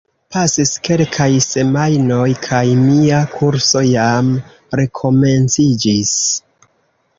Pasis kelkaj semajnoj kaj mia kurso jam rekomenciĝis.